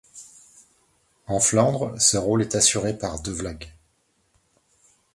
En Flandre, ce rôle est assuré par DeVlag.